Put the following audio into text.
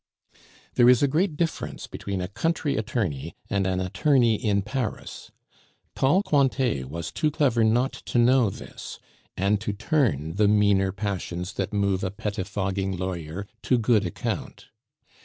There is a great difference between a country attorney and an attorney in Paris; tall Cointet was too clever not to know this, and to turn the meaner passions that move a pettifogging lawyer to good account.